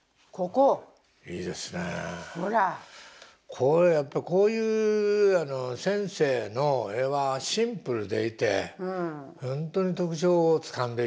これやっぱこういう先生の絵はシンプルでいて本当に特徴をつかんでいて。